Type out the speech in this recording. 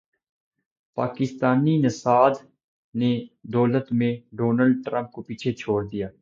پاکستانی نژاد نے دولت میں ڈونلڈ ٹرمپ کو پیچھے چھوڑ دیا